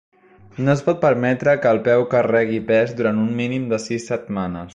No es pot permetre que el peu carregui pes durant un mínim de sis setmanes.